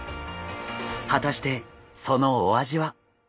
果たしてそのお味は？